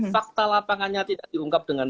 fakta lapangannya tidak diungkap dengan